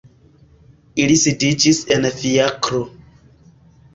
Ili sidiĝis en fiakro.